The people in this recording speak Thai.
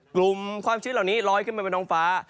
กลุ่มความชื้นเหล่านี้ลอยขึ้นไปบนท้องฟ้า